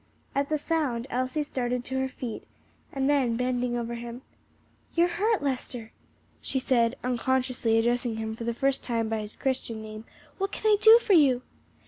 At the sound Elsie started to her feet, then bending over him, "You're hurt, Lester," she said, unconsciously addressing him for the first time by his Christian name; "what can I do for you?"